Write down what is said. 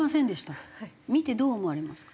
見てどう思われますか？